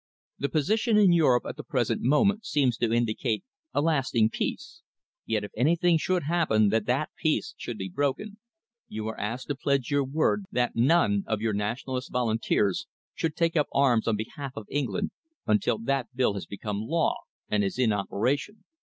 The position in Europe at the present moment seems to indicate a lasting peace, yet if anything should happen that that peace should be broken, you are asked to pledge your word that none of your Nationalist volunteers should take up arms on behalf of England until that bill has become law and is in operation.